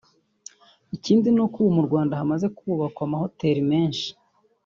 Ikindi ni uko ubu mu Rwanda hamaze kubakwa amahoteli menshi